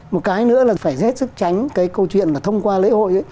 một cái nữa là phải hết sức tránh cái câu chuyện là thông qua lễ hội ấy